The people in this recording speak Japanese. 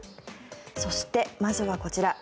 そしてまずはこちら。